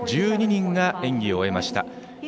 １２人が演技を終えました。